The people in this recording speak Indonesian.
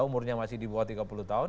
umurnya masih di bawah tiga puluh tahun